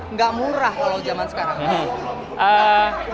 nggak murah kalau zaman sekarang